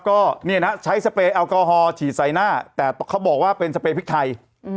ก็เนี่ยนะใช้สเปรยแอลกอฮอลฉีดใส่หน้าแต่เขาบอกว่าเป็นสเปรยพริกไทย